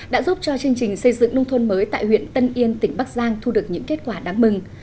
đã giúp cho chương trình xây dựng nông thôn mới tại huyện tân yên tỉnh bắc giang thu được những kết quả đáng mừng